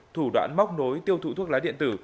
thủ đoạn móc nối tiêu thụ thuốc lá điện tử